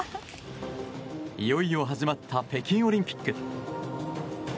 いよいよ始まった北京オリンピック。